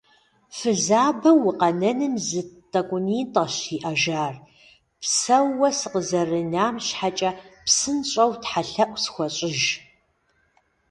Фызабэу укъэнэным зы тӀэкӀунитӀэщ иӀэжар, псэууэ сыкъызэрынам щхьэкӀэ псынщӀэу тхьэлъэӀу схуэщӀыж.